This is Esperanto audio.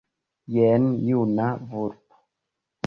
Jen juna vulpo.